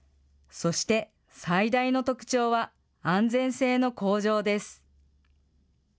そして、最大の特徴は、安全性の向上です。